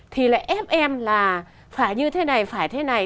thì lại ép em là phải như thế này phải thế này